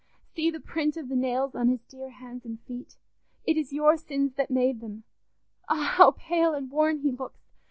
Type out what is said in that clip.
"See the print of the nails on his dear hands and feet. It is your sins that made them! Ah! How pale and worn he looks!